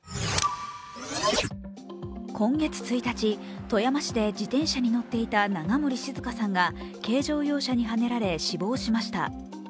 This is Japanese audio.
今月１日、富山市で自転車に乗っていた永森志寿香さんが軽乗用車にはねられ死亡しました。